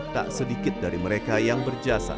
tak sedikit dari mereka yang berjasa